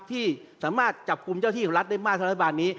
ที่สามารถจับกลุ่มเจ้าที่ของรัฐได้มากเท่ารัฐบาลนี้